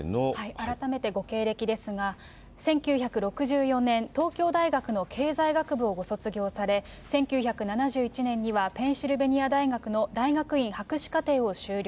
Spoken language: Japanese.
改めてご経歴ですが、１９６４年、東京大学の経済学部をご卒業され、１９７１年にはペンシルベニア大学の大学院博士課程を修了。